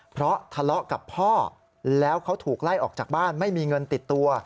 เพราะทะเลาะกับพ่อแล้วเขาถูกไล่ออกจากบ้านไม่มีเงินติดตัว